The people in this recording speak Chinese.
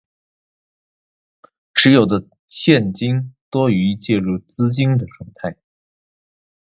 持有的现金多于借入资金的状态